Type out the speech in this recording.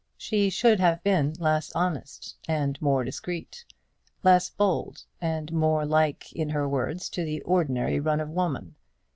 She should have been less honest, and more discreet; less bold, and more like in her words to the ordinary run of women.